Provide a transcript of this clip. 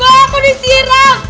kok aku disiram